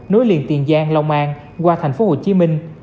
nối liền tiền giang long an qua thành phố hồ chí minh